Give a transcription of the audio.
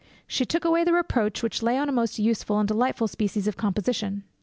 She took away the reproach which lay on a most useful and delightful species of composition.'